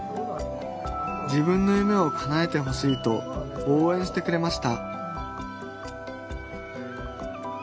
自分の夢をかなえてほしいとおうえんしてくれました